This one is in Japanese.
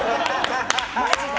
マジで。